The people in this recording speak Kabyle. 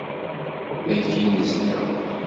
Dagi i nezdeɣ.